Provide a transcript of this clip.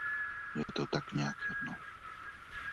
Je to tak nějak jedno.